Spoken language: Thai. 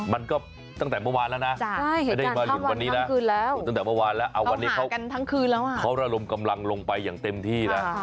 มันก็ตั้งแต่เมื่อวานแล้วนะใช่ตั้งแต่เมื่อวานแล้วเอาวันนี้เขาระลมกำลังลงไปอย่างเต็มที่แล้ว